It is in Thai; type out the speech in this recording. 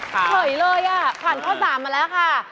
ขอเคยเลยในครั้ง๓มาแล้วค่ะ